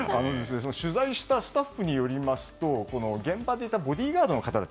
取材をしたスタッフによりますと現場にいたボディーガードの方たち。